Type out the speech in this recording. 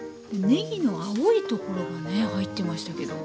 ねぎの青いところがね入ってましたけど。